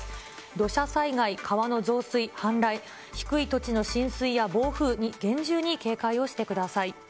土砂災害、川の増水、氾濫、低い土地の浸水や暴風に厳重に警戒をしてください。